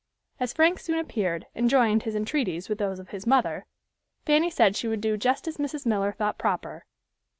As Frank soon appeared and joined his entreaties with those of his mother, Fanny said she would do just as Mrs. Miller thought proper.